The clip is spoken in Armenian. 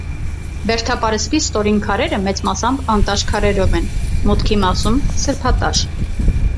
Բերդապարսպի ստորին քարերը մեծ մասամբ անտաշ քարերով են, մուտքի մասում՝ սրբատաշ։